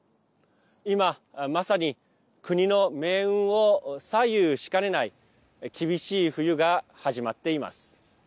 今、まさに国の命運を左右しかねない厳しい冬が始まっています。